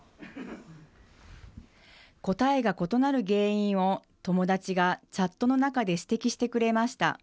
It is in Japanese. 答えが異なる原因を、友達がチャットの中で指摘してくれました。